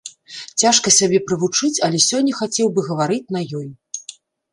Цяжка сябе прывучыць, але сёння хацеў бы гаварыць на ёй.